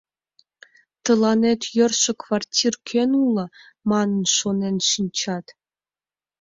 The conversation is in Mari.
«Тыланет йӧршӧ квартир кӧн уло?» манын, шонен шинчат.